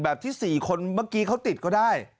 ที่๔คนเมื่อกี้เขาติดก็ได้